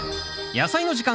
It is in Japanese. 「やさいの時間」